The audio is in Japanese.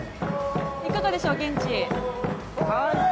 いかがでしょうか現地。